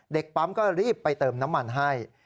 เด็กปั๊มก็รีบไปเติมน้ำมันให้